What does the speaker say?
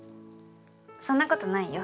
そんな事ないよ。